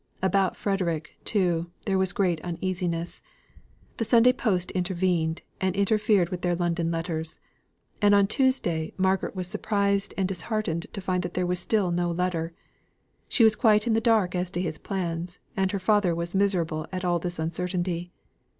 About Frederick, too, there was great uneasiness. The Sunday post intervened, and interfered with their London letters; and on Tuesday Margaret was surprised and disheartened to find that there was still no letter. She was quite in the dark as to his plans, and her father was miserable at all this uncertainty.